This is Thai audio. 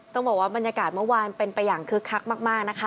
ต้องบอกว่าบรรยากาศเมื่อวานเป็นไปอย่างคึกคักมากนะคะ